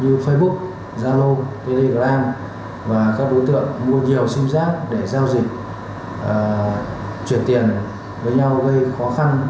như facebook zalo telegram và các đối tượng mua nhiều sim giác để giao dịch chuyển tiền với nhau gây khó khăn